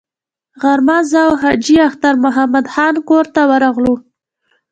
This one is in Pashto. غرمه زه او حاجي اختر محمد خان کور ته ورغلو.